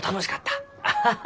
アハハ！